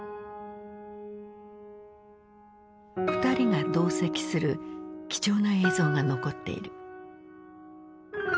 ２人が同席する貴重な映像が残っている。